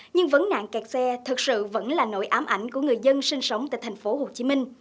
nhưng vấn nạn kẹt xe thật sự vẫn là nỗi ám ảnh của người dân sinh sống tại tp hcm